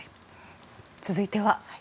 続いては。